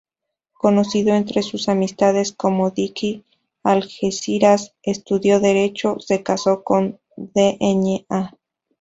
Conocido entre sus amistades como Dicky Algeciras, estudió Derecho, se casó con Dña.